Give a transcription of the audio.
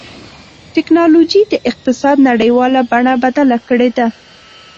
ټکنالوجي د اقتصاد نړیواله بڼه بدله کړې ده.